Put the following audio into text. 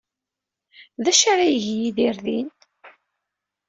D acu ara yeg Yidir din?